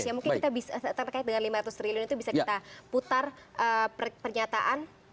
ya mungkin kita bisa terkait dengan lima ratus triliun itu bisa kita putar pernyataan